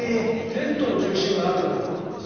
ヘッドの重心があるから。